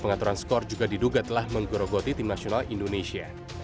pengaturan skor juga diduga telah menggerogoti tim nasional indonesia